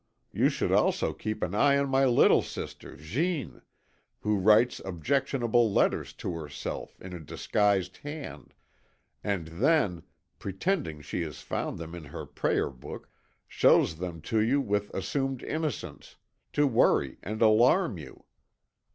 You should also keep an eye on my little sister Jeanne, who writes objectionable letters to herself in a disguised hand, and then, pretending she has found them in her prayer book, shows them to you with assumed innocence, to worry and alarm you.